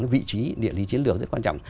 vị trí địa lý chiến lược rất quan trọng